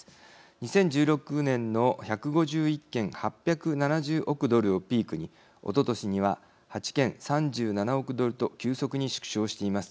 ２０１６年の１５１件８７０億ドルをピークにおととしには８件、３７億ドルと急速に縮小しています。